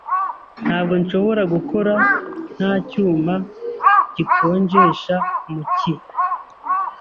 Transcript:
Ntabwo nshobora gukora nta cyuma gikonjesha mu cyi.